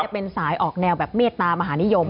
เป็นสายออกแนวแบบเมตตามหานิยม